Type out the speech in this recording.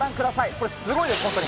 これ、すごいです、本当に。